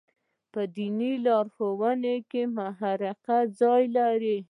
په دیني لارښوونو کې محراقي ځای لري.